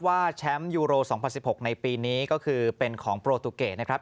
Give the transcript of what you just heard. แชมป์ยูโร๒๐๑๖ในปีนี้ก็คือเป็นของโปรตูเกตนะครับ